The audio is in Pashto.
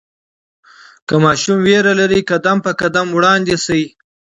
که ماشوم ویره لري، قدم په قدم وړاندې شئ.